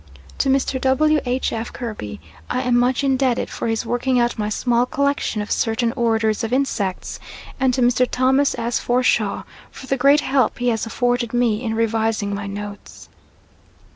To Mr. W. H. F. Kirby I am much indebted for his working out my small collection of certain Orders of insects; and to Mr. Thomas S. Forshaw, for the great help he has afforded me in revising my notes.